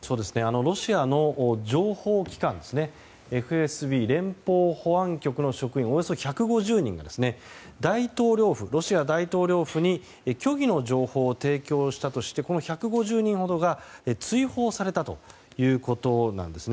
ロシアの情報機関ＦＳＢ・連邦保安局の職員およそ１５０人がロシア大統領府に虚偽の情報を提供したとして１５０人ほどが追放されたということです。